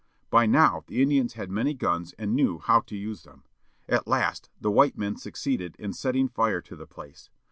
By now the Indians had many guns and knew how to use them. At last the white men succeeded in setting fire to the place.